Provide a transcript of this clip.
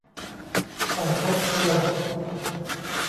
สั่งทบทวน